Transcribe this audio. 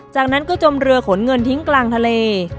จากนั้นก็จมเรือขนเงินทิ้งกลางทะเล